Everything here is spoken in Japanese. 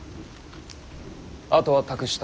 あとは託した。